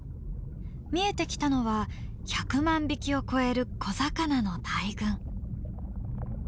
見えてきたのは１００万匹を超える小魚の大群。